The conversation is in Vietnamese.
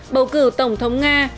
bầu cử tổng thống nga